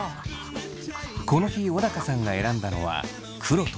この日小高さんが選んだのは黒と赤のマジック。